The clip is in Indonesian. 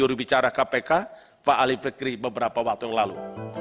sudah disampaikan oleh jurubicara kpk pak ali fikri beberapa waktu yang lalu